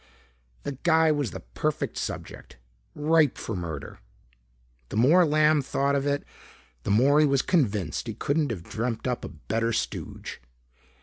The guy was the perfect subject. Ripe for murder. The more Lamb thought of it, the more he was convinced he couldn't have dreamed up a better stooge.